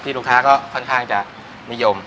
ลูกค้าก็ค่อนข้างจะนิยม